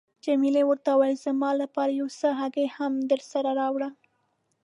جميله ورته وویل: زما لپاره یو څو هګۍ هم درسره راوړه.